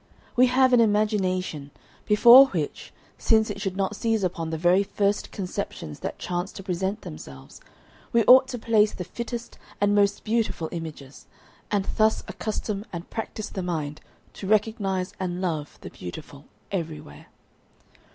We have an imagination, before which, since it should not seize upon the very first conceptions that chance to present themselves, we ought to place the fittest and most beautiful images, and thus accustom and practise the mind to recognise and love the beautiful everywhere."